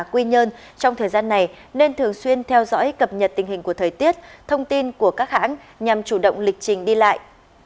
quy nhơn trong thời gian này nên thường xuyên theo dõi cập nhật tình hình của thời tiết thông tin của các hãng nhằm chủ động lịch trình đi lại